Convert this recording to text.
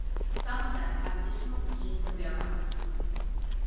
Some of them have additional schemes of their own.